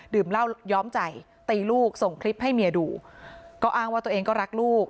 เหล้าย้อมใจตีลูกส่งคลิปให้เมียดูก็อ้างว่าตัวเองก็รักลูก